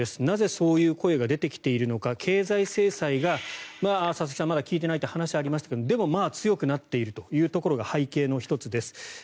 なぜそういう声が出てきているのか、経済制裁が佐々木さん、まだ効いていないという話がありましたがでも、まあ強くなっているというところが背景の１つです。